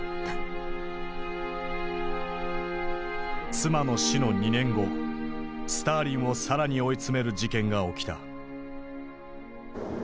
妻の死の２年後スターリンを更に追い詰める事件が起きた。